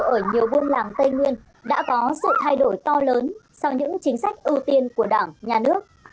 đồng bào ở nhiều vương làng tây nguyên đã có sự thay đổi to lớn sau những chính sách ưu tiên của đảng nhà nước